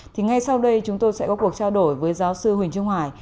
thì ngay sau đây chúng tôi sẽ có cuộc trao đổi với giáo sư huỳnh trung hoài